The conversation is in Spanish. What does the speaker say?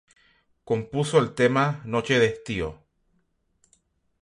Compuso el tema: "Noche de estío".